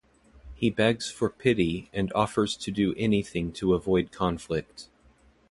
He begs for "pity" and offers to do anything to avoid conflict.